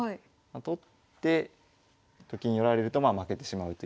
取ってと金寄られるとまあ負けてしまうという。